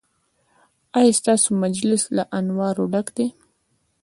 ایا ستاسو مجلس له انوارو ډک دی؟